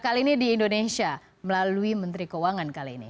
kali ini di indonesia melalui menteri keuangan kali ini